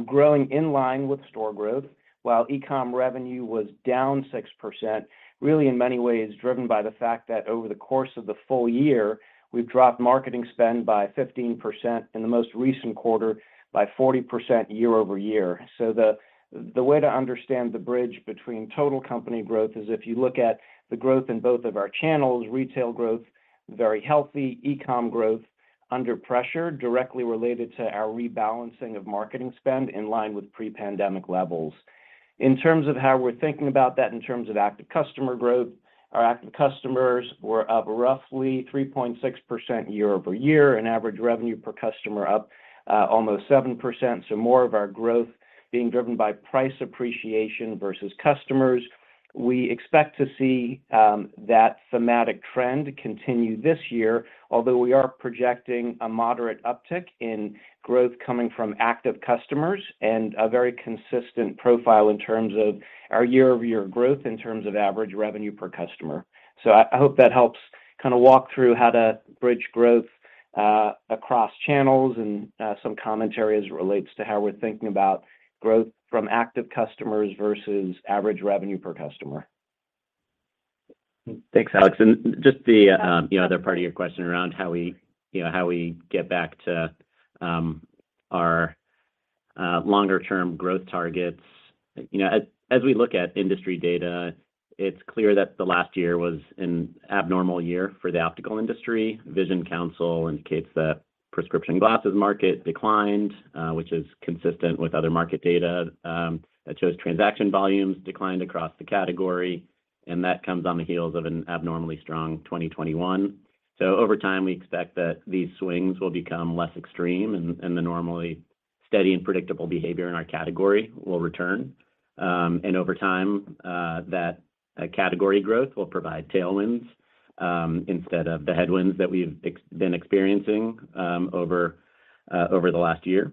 C: growing in line with store growth, while e-com revenue was down 6%, really in many ways driven by the fact that over the course of the full year, we've dropped marketing spend by 15%, in the most recent quarter by 40% year-over-year. The way to understand the bridge between total company growth is if you look at the growth in both of our channels, retail growth, very healthy, e-com growth under pressure, directly related to our rebalancing of marketing spend in line with pre-pandemic levels. In terms of how we're thinking about that in terms of active customer growth, our active customers were up roughly 3.6% year-over-year, and average revenue per customer up almost 7%. More of our growth Being driven by price appreciation versus customers. We expect to see that thematic trend continue this year, although we are projecting a moderate uptick in growth coming from active customers and a very consistent profile in terms of our year-over-year growth in terms of average revenue per customer. I hope that helps kind of walk through how to bridge growth across channels and some commentaries relates to how we're thinking about growth from active customers versus average revenue per customer.
B: Thanks, Alex. Just the other part of your question around how we, you know, how we get back to our longer term growth targets. You know, as we look at industry data, it's clear that the last year was an abnormal year for the optical industry. Vision Council indicates that prescription glasses market declined, which is consistent with other market data that shows transaction volumes declined across the category, and that comes on the heels of an abnormally strong 2021. Over time, we expect that these swings will become less extreme and the normally steady and predictable behavior in our category will return. Over time, that category growth will provide tailwinds instead of the headwinds that we've been experiencing over the last year.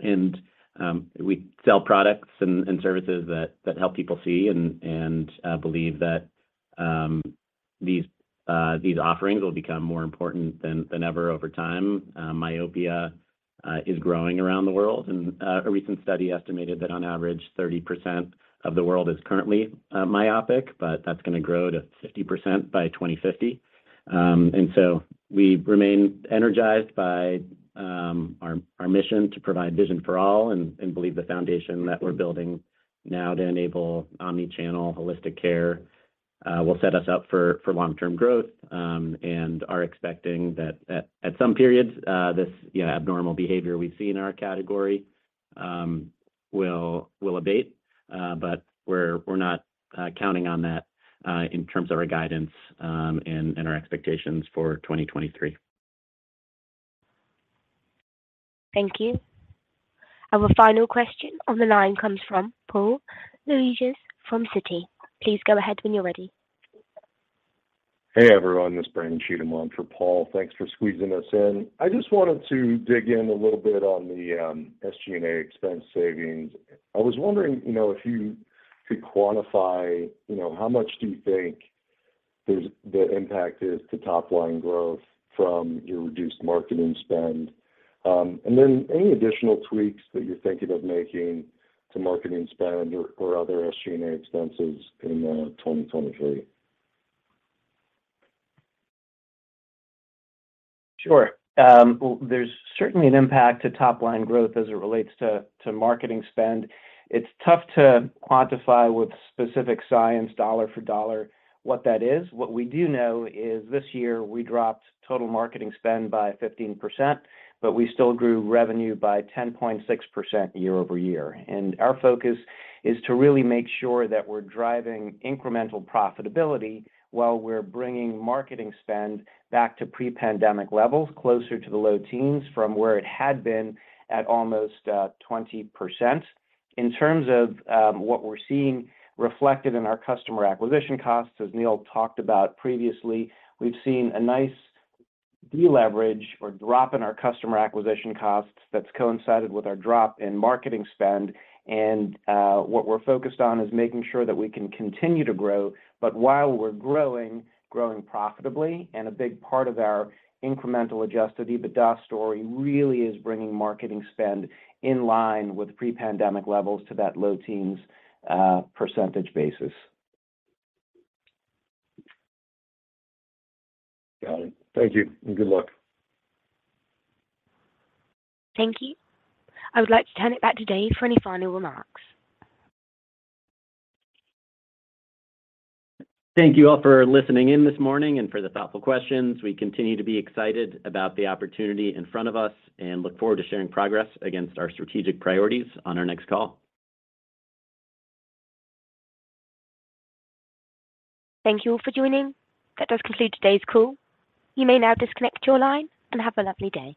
B: We sell products and services that help people see and believe that these offerings will become more important than ever over time. Myopia is growing around the world, and a recent study estimated that on average, 30% of the world is currently myopic, but that's gonna grow to 50% by 2050. We remain energized by our mission to provide vision for all and believe the foundation that we're building now to enable omni-channel holistic care will set us up for long-term growth, and are expecting that at some periods, this, you know, abnormal behavior we see in our category will abate. We're not counting on that in terms of our guidance, and our expectations for 2023.
A: Thank you. Our final question on the line comes from Paul Lejuez from Citi. Please go ahead when you're ready.
I: Hey, everyone. This is Brandon Cheatham on for Paul. Thanks for squeezing us in. I just wanted to dig in a little bit on the SG&A expense savings. I was wondering, you know, if you could quantify, you know, how much do you think the impact is to top line growth from your reduced marketing spend. Any additional tweaks that you're thinking of making to marketing spend or other SG&A expenses in 2023?
D: Sure. Well, there's certainly an impact to top-line growth as it relates to marketing spend. It's tough to quantify with specific science dollar for dollar what that is. What we do know is this year we dropped total marketing spend by 15%, but we still grew revenue by 10.6% year-over-year. Our focus is to really make sure that we're driving incremental profitability while we're bringing marketing spend back to pre-pandemic levels, closer to the low teens from where it had been at almost 20%. In terms of what we're seeing reflected in our customer acquisition costs, as Neil talked about previously, we've seen a nice deleverage or drop in our customer acquisition costs that's coincided with our drop in marketing spend. What we're focused on is making sure that we can continue to grow, but while we're growing profitably, and a big part of our incremental adjusted EBITDA story really is bringing marketing spend in line with pre-pandemic levels to that low teens percenatage basis.
I: Got it. Thank you, and good luck.
A: Thank you. I would like to turn it back to Dave for any final remarks.
B: Thank you all for listening in this morning and for the thoughtful questions. We continue to be excited about the opportunity in front of us and look forward to sharing progress against our strategic priorities on our next call.
A: Thank you all for joining. That does conclude today's call. You may now disconnect your line and have a lovely day.